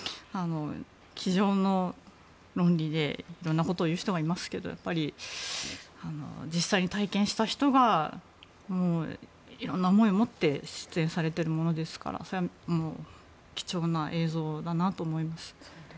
机上の論理でいろんなことを言う人がいますがやっぱり、実際に体験した人がいろんな思いを持って出演されているものですから貴重な映像だなと思います。